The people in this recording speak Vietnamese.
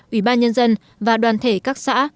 ủy ban nhân dân và đoàn thể các xã